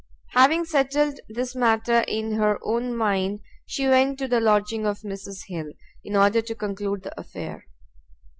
Having settled this matter in her own mind, she went to the lodging of Mrs Hill, in order to conclude the affair.